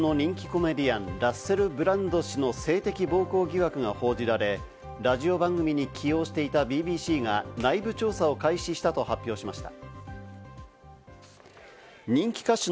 イギリスの人気コメディアン、ラッセル・ブランド氏の性的暴行疑惑が報じられ、ラジオ番組に起用していたＢＢＣが内部調査を開始したと発表しました。